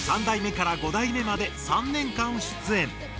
３代目から５代目まで３年間出演。